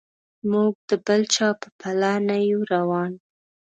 موږ د بل چا په پله نه یو روان.